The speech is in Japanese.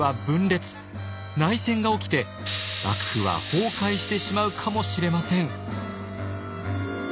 内戦が起きて幕府は崩壊してしまうかもしれません。